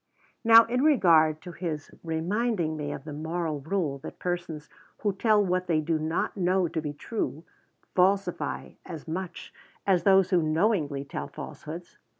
Now, in regard to his reminding me of the moral rule that persons who tell what they do not know to be true, falsify as much as those who knowingly tell falsehoods.